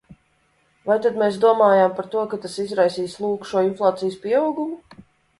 Vai tad mēs domājām par to, ka tas izraisīs, lūk, šo inflācijas pieaugumu?